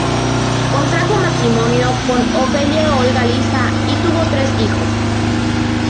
Contrajo matrimonio con Ofelia Olga Lisa y tuvo tres hijos.